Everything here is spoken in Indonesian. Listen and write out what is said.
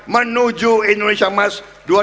menuju indonesia mas